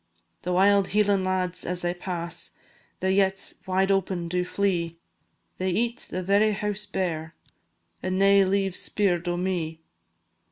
The wild Hieland lads as they pass, The yetts wide open do flee; They eat the very house bare, And nae leave 's speer'd o' me.